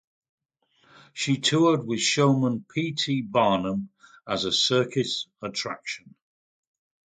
She toured with showman P. T. Barnum as a circus attraction.